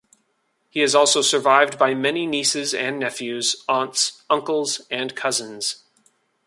He is also survived by many nieces and nephews, aunts, uncles and cousins.